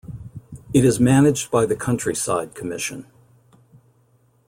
It is managed by the Countryside Commission.